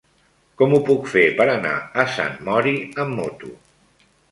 Com ho puc fer per anar a Sant Mori amb moto?